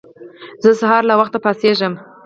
زه سهار له وخته پاڅيږم.